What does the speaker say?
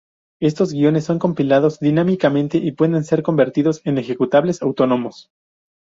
Estos guiones son compilados dinámicamente y pueden ser convertidos en ejecutables autónomos.